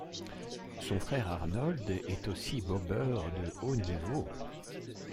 Son frère Arnold est aussi bobeur de haut niveau.